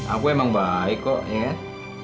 aku emang baik kok ya